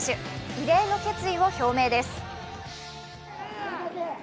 異例の決意を表明です。